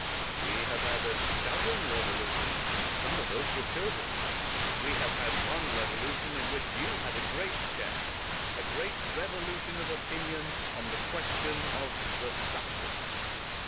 We have had a dozen revolutions since some of us were children. We have had one revolution in which you had a great share — a great revolution of opinion on the question of the suffrage.